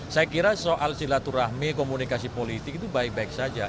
saya kira soal silaturahmi komunikasi politik itu baik baik saja